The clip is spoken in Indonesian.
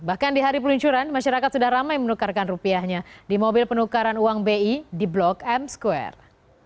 bahkan di hari peluncuran masyarakat sudah ramai menukarkan rupiahnya di mobil penukaran uang bi di blok m square